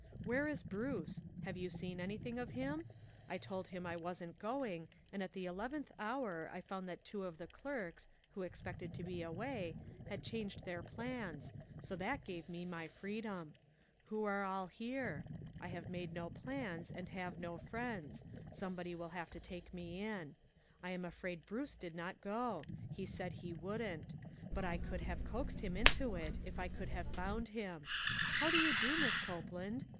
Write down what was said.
" Where is Bruce ? Have you seen anything of him ? I told him I wasn't going, and at the eleventh hour, I found that two of the clerks, who expected to be away, had changed their plans, so that gave me my freedom. Who all are here? I have made no plans, and have no friends ; somebody will have to take me in. I am afraid Bruce did not go ; he said lie wouldn't; but I could have coaxed him into it if I could have found him. How do you do, Miss Copeland?